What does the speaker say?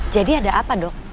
jadi ada apa dok